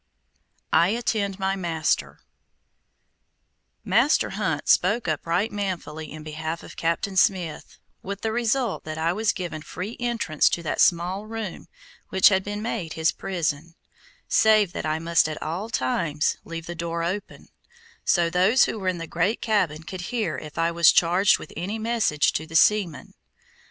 I ATTEND MY MASTER Master Hunt spoke up right manfully in behalf of Captain Smith, with the result that I was given free entrance to that small room which had been made his prison, save that I must at all times leave the door open, so those who were in the great cabin could hear if I was charged with any message to the seamen.